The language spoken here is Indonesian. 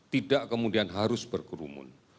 tidak kemudian harus berkerumun